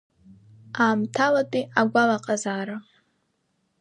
Аамҭалатәи агәалаҟазаара…